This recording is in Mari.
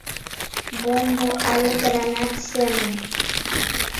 Бомбо але гранат семын.